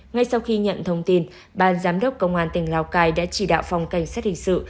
ngay sau khi nhận thông tin ban giám đốc công an tỉnh lào cai đã chỉ đạo phòng cảnh sát hình sự